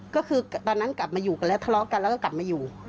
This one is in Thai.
ก็คือตอนนั้นกลับมาอยู่กันแล้วทะเลาะกันแล้วก็กลับมาอยู่